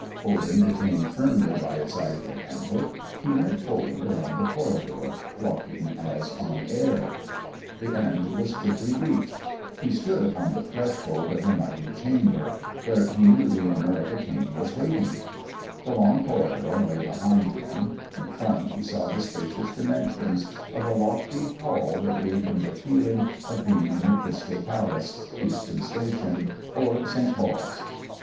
Holding the cane firmly by its ivory handle, he went forward along the corridor, walking as on air. The end was quickly reached: He stood upon the threshold of the mighty chamber where he knew the owner of the cane was waiting; the long corridor lay behind him, in front he saw the spacious dimensions of a lofty hall that gave him the feeling of being in the Crystal Palace, Euston Station, or St. Paul's.